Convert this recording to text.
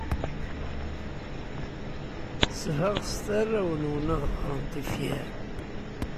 Sbeɣset arraw-nwen ad d-ɣren tifyar.